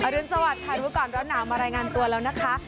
รุนสวัสดิ์รู้ก่อนร้อนหนาวมารายงานตัวแล้วนะคะ